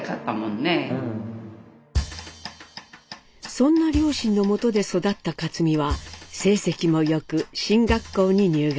そんな両親のもとで育った克実は成績も良く進学校に入学。